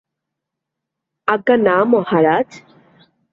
আজ্ঞা না মহারাজ।